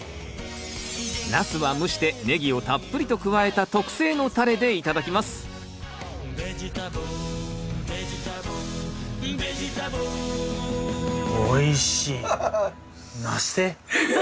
ナスは蒸してネギをたっぷりと加えた特製のたれで頂きますハハハッ。